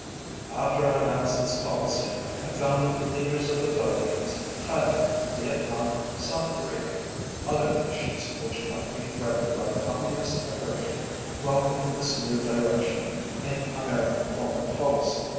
After I announced this policy, I found that the leaders of the Philippines, Thailand, Vietnam, South Korea, other nations which might be threatened by Communist aggression, welcomed this new direction in American foreign policy.